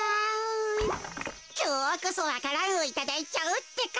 きょうこそわか蘭をいただいちゃうってか。